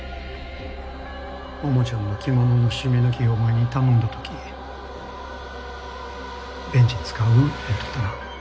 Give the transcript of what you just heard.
桃ちゃんの着物のシミ抜きをお前に頼んだ時ベンジン使う言うとったな。